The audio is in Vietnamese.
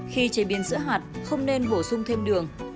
khi chế biến sữa hạt không nên bổ sung thêm đường